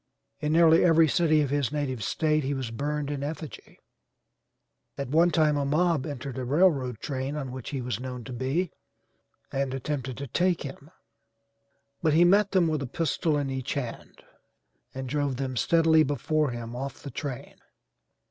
In nearly every city of his native State he was burned in effigy; at one time a mob entered a railroad train on which he was known to be and attempted to take him, but he met them with a pistol in each hand, and drove them steadily before him off the train.